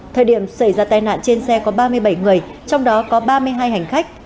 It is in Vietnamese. thời điểm xảy ra tai nạn trên xe có ba mươi bảy người trong đó có ba mươi hai hành khách